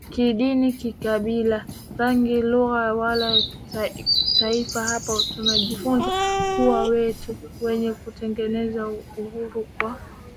kidini kikabila rangi lugha wala Taifa Hapa tunajifunza kuwa watu wenye kutengeneza Uhuru kwa